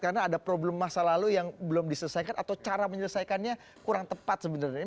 karena ada problem masa lalu yang belum diselesaikan atau cara menyelesaikannya kurang tepat sebenarnya